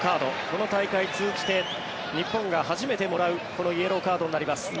この大会を通じて日本が初めてもらうこのイエローカードになります。